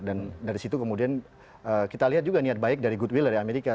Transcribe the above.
dan dari situ kemudian kita lihat juga niat baik dari goodwill dari amerika